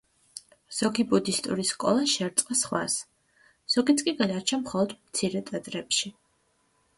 ზოგი ბუდისტური სკოლა შეერწყა სხვას, ზოგიც კი გადარჩა მხოლოდ მცირე ტაძრებში.